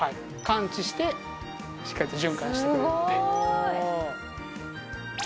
感知してしっかりと循環してくれるので。